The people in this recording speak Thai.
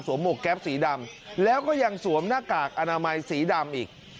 หมวกแก๊ปสีดำแล้วก็ยังสวมหน้ากากอนามัยสีดำอีก